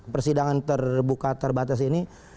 persidangan terbuka terbatas ini